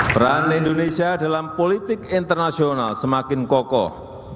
peran indonesia dalam politik internasional semakin kokoh